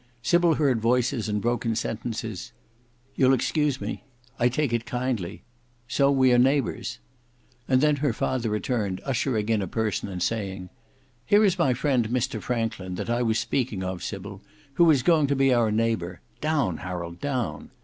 Sybil heard voices and broken sentences: "You'll excuse me"—"I take it kindly"—"So we are neighbours." And then her father returned, ushering in a person and saying, "Here is my friend Mr Franklin that I was speaking of, Sybil, who is going to be our neighbour; down Harold, down!"